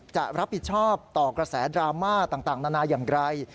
จะรับผิดชอบต่อกระแสดราม่าต่างนานาอย่างไร